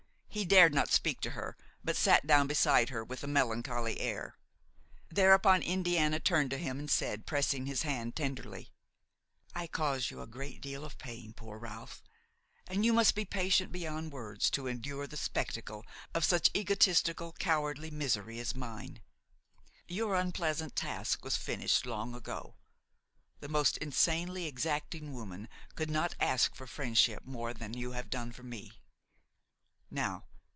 He dared not speak to her, but sat down beside her with a melancholy air. Thereupon, Indiana turned to him and said, pressing his hand tenderly: "I cause you a vast deal of pain, poor Ralph! and you must be patient beyond words to endure the spectacle of such egotistical, cowardly misery as mine! Your unpleasant task was finished long ago. The most insanely exacting woman could not ask of friendship more than you have done for me.